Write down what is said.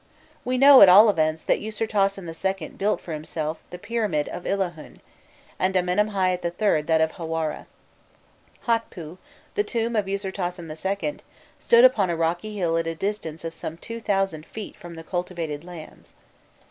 We know, at all events, that Usirtasen II. built for himself the pyramid of Illahun, and Amenemhâît III. that of Hawâra. "Hotpû," the tomb of Usirtasen II., stood upon a rocky hill at a distance of some two thousand feet from the cultivated lands.